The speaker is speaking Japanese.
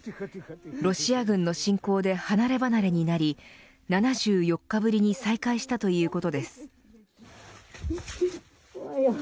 ロシア軍の侵攻で離れ離れになり７４日ぶりに再会したということです。